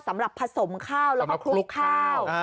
สำหรับผสมข้าวแล้วก็คลุกข้าว